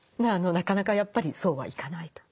なかなかやっぱりそうはいかないと。